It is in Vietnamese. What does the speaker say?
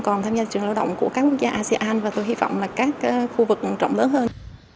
còn tham gia thị trường lao động của các quốc gia asean và tôi hy vọng là các khu vực rộng lớn hơn